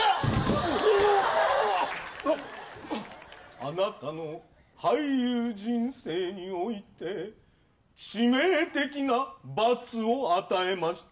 あなたの俳優人生において、致命的な罰を与えました。